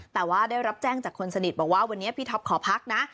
แต่ว่าได้รับแจ้งจากคนสนิทบอกว่าวันนี้พี่ท็อปขอพักนะ